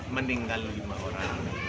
meninggal lima orang